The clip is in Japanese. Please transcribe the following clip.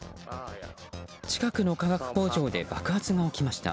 近くの化学工場で爆発が起きました。